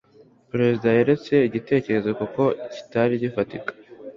perezida yaretse igitekerezo kuko kitari gifatika